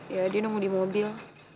ya dia nunggu di mobil